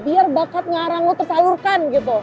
biar bakat nyarang lo tersalurkan gitu